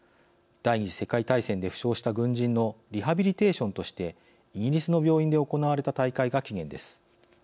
第二次世界大戦で負傷した軍人のリハビリテーションとしてイギリスの病院で行われた大会が起源です。